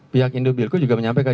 pihak indobilco juga menyampaikan